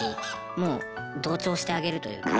もう同調してあげるというか。